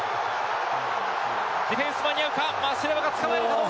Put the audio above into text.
ディフェンス、間に合うか。